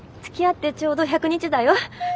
つきあってちょうど１００日だよ。